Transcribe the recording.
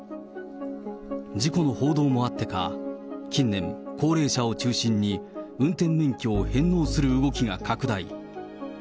事故の報道もあってか、近年、高齢者を中心に運転免許を返納する動きが拡大。